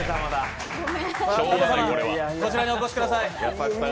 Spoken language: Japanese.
こちらにお越しください。